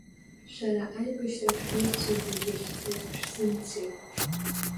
Шәара аибашьрахь шәҩызцәа зегьы ахьцоз шәзымцеи?